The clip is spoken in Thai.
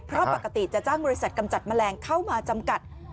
เพราะปกติจะจ้างบริษัทกำจัดแมลงเข้ามาจำกัด